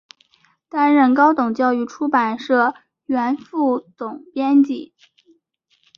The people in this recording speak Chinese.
担任高等教育出版社原副总编辑。